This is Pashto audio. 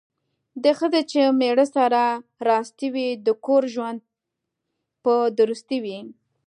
د ښځې چې میړه سره راستي وي، د کور ژوند یې په درستي وي.